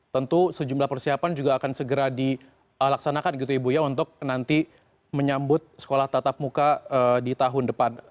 tentu sejumlah persiapan juga akan segera dilaksanakan gitu ibu ya untuk nanti menyambut sekolah tatap muka di tahun depan